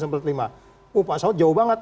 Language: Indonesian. oh pak saud jauh banget